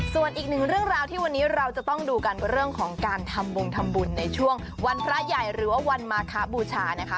ส่วนอีกหนึ่งเรื่องราวที่วันนี้เราจะต้องดูกันเรื่องของการทำบงทำบุญในช่วงวันพระใหญ่หรือว่าวันมาคะบูชานะคะ